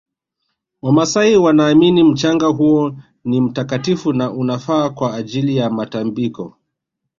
wamasai wanaamini mchanga huo ni mtakatifu na unafaa kwa ajili ya matabiko